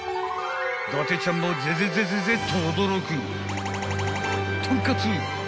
［伊達ちゃんもぜぜぜぜぜと驚くとんかつ］